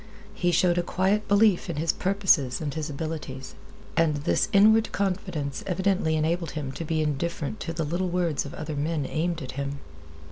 He showed a quiet belief in his purposes and his abilities. And this inward confidence evidently enabled him to be indifferent to little words of other men aimed at him.